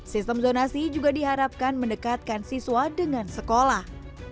sistem zonasi juga diharapkan mendekatkan siswa dengan sekolah